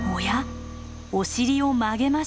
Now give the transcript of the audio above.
お尻を曲げました。